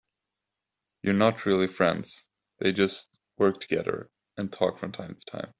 They are not really friends, they just work together and talk from time to time.